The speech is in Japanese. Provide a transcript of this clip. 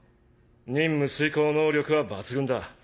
任務遂行能力は抜群だ。